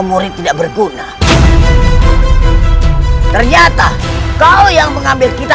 untuk mengalahkan kian santa